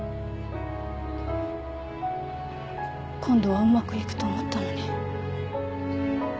今度はうまくいくと思ったのに。